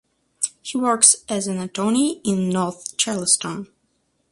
He works as an attorney in North Charleston.